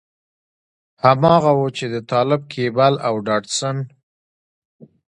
هماغه و چې د طالب کېبل او ډاټسن.